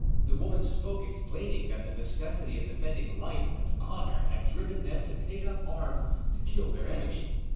The woman spoke, explaining that the necessity of defending life and honour had driven them to take up arms to kill their enemy.